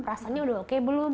rasanya udah oke belum